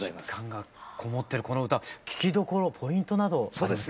実感がこもってるこの歌聴きどころポイントなど。